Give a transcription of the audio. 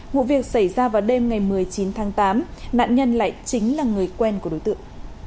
vụ việc xảy ra vào đêm ngày một mươi chín tháng tám nạn nhân lại chính là người quen của đối tượng